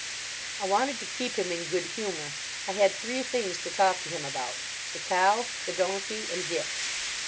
I wanted to keep him in good humour. I had three things to talk to him about: the cow, the donkey, and Dick.